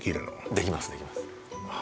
できますできますあ